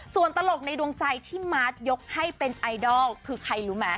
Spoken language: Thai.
ส่วนตลกในดวงใจที่มาร์ทยกให้เป็นไอดอลคือใครรู้ไหม